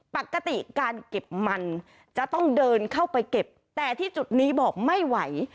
ปกติการเก็บมันจะต้องเดินเข้าไปเก็บแต่ที่จุดนี้บอกไม่ไหว